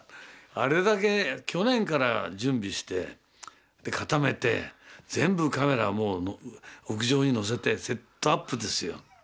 あれだけ去年から準備して固めて全部カメラもう屋上に載せてセットアップですよ。